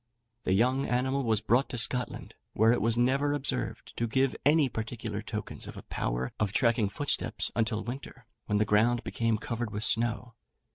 The young animal was brought to Scotland, where it was never observed to give any particular tokens of a power of tracking footsteps until winter, when the ground became covered with snow.